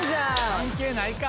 関係ないか。